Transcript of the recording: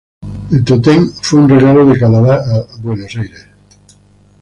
El tótem fue un regalo de Canadá a Buenos Aires.